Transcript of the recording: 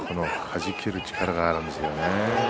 弾ける力があるんですよね。